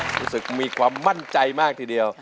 มีความมั่นใจมากทีเดียว